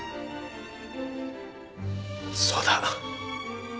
そうだ。